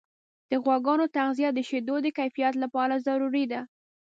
د غواګانو تغذیه د شیدو د کیفیت لپاره ضروري ده.